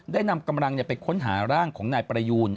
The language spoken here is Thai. ได้นำกำลังไปค้นหาร่างของนายประยูน